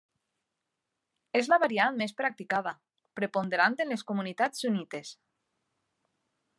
És la variant més practicada, preponderant en les comunitats sunnites.